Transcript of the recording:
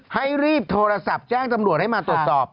ให้รีบโทรศัพท์แจ้งตำรวจให้มาตรวจสอบ